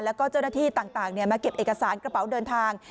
แล้วก็เจ้าหน้าที่ต่างมาเก็บเอกสารกระเป๋าเดินทาง